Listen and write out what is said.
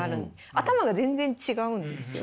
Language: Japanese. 頭が全然違うんですよ。